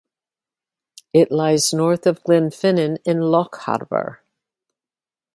It lies north of Glenfinnan in Lochaber.